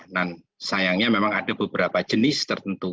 dan sayangnya memang ada beberapa jenis tertentu